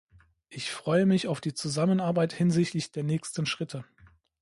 Ich freue mich auf die Zusammenarbeit hinsichtlich der nächsten Schritte.